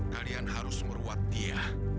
kalian harus meruat dia